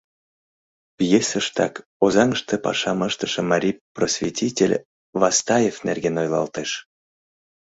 Пьесыштак Озаҥыште пашам ыштыше марий просветитель Вастаев нерген ойлалтеш.